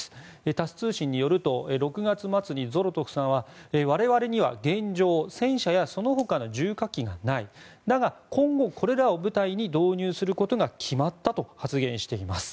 タス通信によると６月末にゾロトフさんは我々には現状戦車やそのほかの重火器がないだが、今後これらを部隊に導入することが決まったと発言しています。